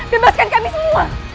bebaskan kami semua